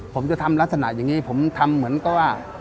ผมจะทำลักษณะอย่างนี้ผมทำเหมือนกับว่า